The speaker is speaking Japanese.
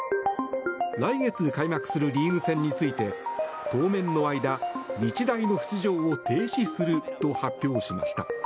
来月開幕するリーグ戦について当面の間日大の出場を停止すると発表しました。